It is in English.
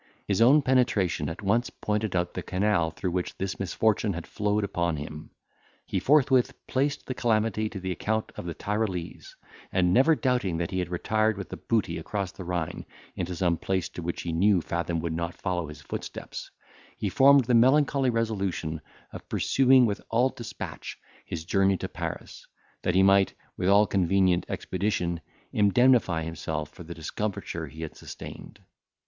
His own penetration at once pointed out the canal through which this misfortune had flowed upon him; he forthwith placed the calamity to the account of the Tyrolese, and never doubting that he had retired with the booty across the Rhine, into some place to which he knew Fathom would not follow his footsteps, he formed the melancholy resolution of pursuing with all despatch his journey to Paris, that he might, with all convenient expedition, indemnify himself for the discomfiture he had sustained.